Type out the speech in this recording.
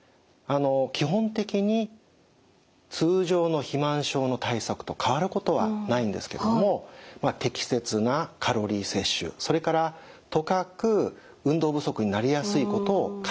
基本的に通常の肥満症の対策と変わることはないんですけれども適切なカロリー摂取それからとかく運動不足になりやすいことを解消する。